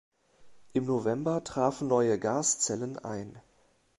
Im November trafen neue Gaszellen ein.